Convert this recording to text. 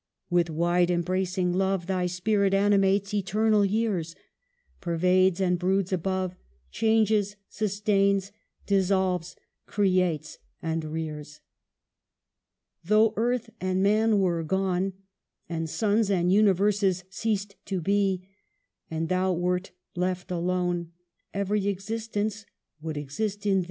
With wide embracing love Thy spirit animates eternal years, Pervades and broods above, Changes, sustains, dissolves, creates, and rears. " Though earth and man were gone, And suns and universes ceased to be, And thou wert left alone, Every existence would exist in thee.